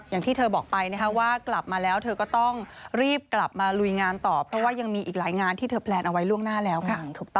อย่างที่เธอบอกไปนะคะว่ากลับมาแล้วเธอก็ต้องรีบกลับมาลุยงานต่อเพราะว่ายังมีอีกหลายงานที่เธอแพลนเอาไว้ล่วงหน้าแล้วค่ะ